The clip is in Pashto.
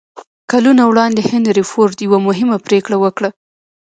کلونه وړاندې هنري فورډ يوه مهمه پرېکړه وکړه.